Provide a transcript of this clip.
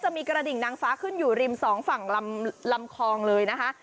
จะมีกระดิ่งนางฟ้าขึ้นอยู่ริมสองฝั่งลำคลองเลยนะคะ